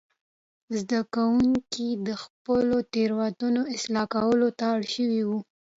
زده کوونکي د خپلو تېروتنو اصلاح کولو ته اړ شوي وو.